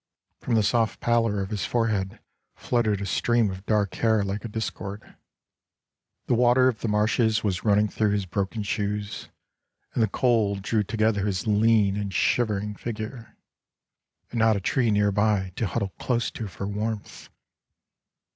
From the soft pallor of his forehead fluttered a stream of dark hair like a discord. The water of the marshes was 13 running through his broken shoes and the cold drew together his lean and shivering figure. And not a tree nearby to huddle close to for warmth!